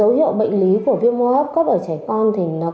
dấu hiệu bệnh lý của viêm hô hấp cấp ở trẻ con thì nó